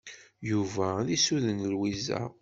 Yuba ad isuden Lwiza.